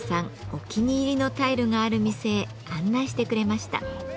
お気に入りのタイルがある店へ案内してくれました。